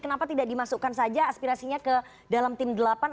kenapa tidak dimasukkan saja aspirasinya ke dalam tim delapan